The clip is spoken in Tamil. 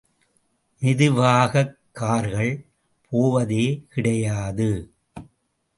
மெதுவாகக் கார்கள் போவதே கிடையாது.